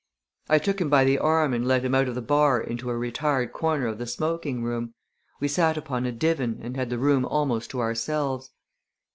I took him by the arm and led him out of the bar into a retired corner of the smoking room. We sat upon a divan and had the room almost to ourselves.